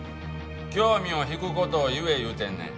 興味を引く事を言え言うてんねん。